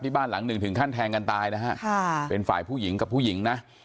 บ้านหลังหนึ่งถึงขั้นแทงกันตายนะฮะค่ะเป็นฝ่ายผู้หญิงกับผู้หญิงนะ